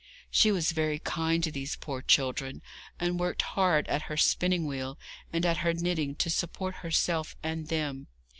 She was very kind to these poor children, and worked hard at her spinning wheel and at her knitting to support herself and them.